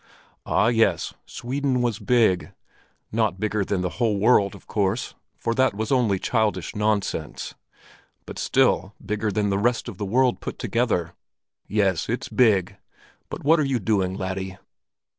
Ah, yes, Sweden was big—not bigger than the whole world, of course, for that was only childish nonsense—but still bigger than all the rest of the world put together. "Yes, it's big! But what are you doing, laddie?"